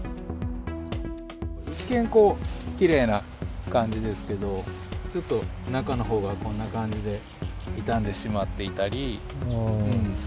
一見きれいな感じですけど、ちょっと中のほうは、こんな感じで傷んでしまっていたり。